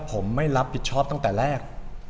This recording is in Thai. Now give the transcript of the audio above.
ผมไม่รับผิดชอบตั้งแต่แรก